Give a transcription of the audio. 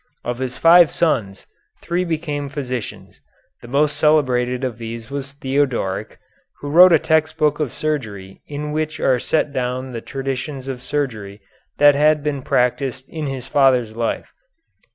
Of his five sons, three became physicians. The most celebrated of these was Theodoric, who wrote a text book of surgery in which are set down the traditions of surgery that had been practised in his father's life.